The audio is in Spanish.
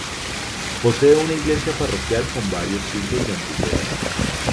Posee una iglesia parroquial con varios siglos de antigüedad.